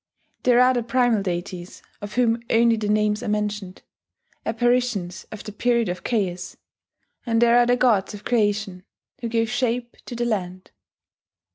There are the primal deities, of whom only the names are mentioned, apparitions of the period of chaos; and there are the gods of creation, who gave shape to the land.